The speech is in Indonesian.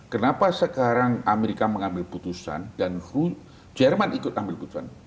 kenapa sekarang amerika mengambil putusan dan jerman ikut ambil keputusan